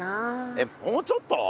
えっもうちょっと？